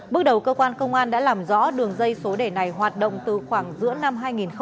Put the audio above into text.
bước đầu cơ quan công an đã làm rõ đường dây số đề này hoạt động từ khoảng giữa năm hai nghìn một mươi hai